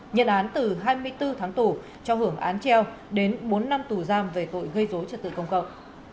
nhận án từ hai mươi bốn tháng tù cho hưởng án treo đến bốn năm tù giam về tội gây dối trật tự công cộng